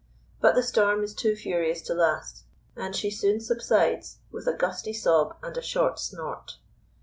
But the storm is too furious to last, and she soon subsides with a gusty sob and a short snort.